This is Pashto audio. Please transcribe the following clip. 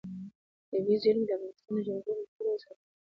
طبیعي زیرمې د افغانستان د جغرافیایي موقیعت پوره یوه څرګنده او لویه پایله ده.